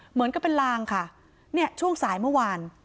เหมือนกับเป็นลางค่ะเนี่ยช่วงสายเมื่อวาน